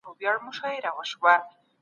ژر عمل کول ستونزي ژر حلوي.